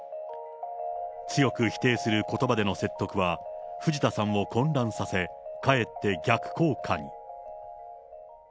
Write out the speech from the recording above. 強く否定することばでの説得は藤田さんを混乱させ、かえって逆効果に。